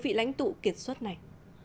vì lãnh tụ kiệt xuất này